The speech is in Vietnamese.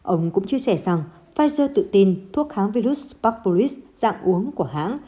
ông cũng chia sẻ rằng pfizer tự tin thuốc hãng virus sputnik v dạng uống của hãng